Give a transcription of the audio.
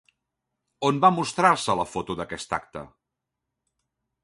On va mostrar-se la foto d'aquest acte?